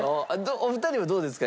お二人はどうですか？